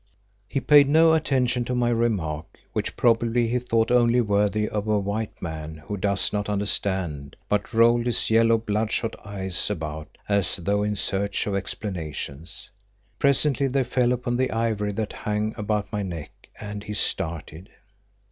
Hans paid no attention to my remark, which probably he thought only worthy of a white man who does not understand, but rolled his yellow, bloodshot eyes about, as though in search of explanations. Presently they fell upon the ivory that hung about my neck, and he started.